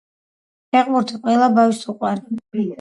ფეხბურთი ყველა ბავშვს უყვარს